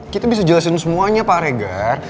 kita bisa jelasin semuanya pak regar